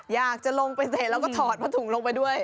อยากจะลงไปเสร็จแล้วก็ถอดผ้าถุงลงไปด้วย